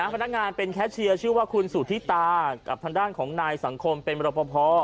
พนักงานเป็นแคชเชียร์ชื่อว่าคุณสุธิตากับทางด้านของนายสังคมเป็นมรปภ